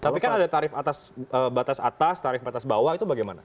tapi kan ada tarif atas batas atas tarif batas bawah itu bagaimana